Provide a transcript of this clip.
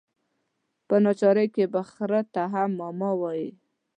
متل دی: په ناچارۍ کې به خره ته هم ماما وايې.